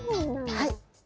はい。